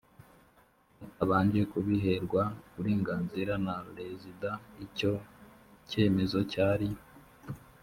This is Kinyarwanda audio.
batabanje kubiherwa uburenganzira na rezida icyo kemezo cyari